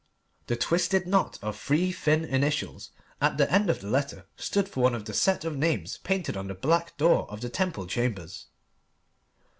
The twisted knot of three thin initials at the end of the letter stood for one of the set of names painted on the black door of the Temple Chambers.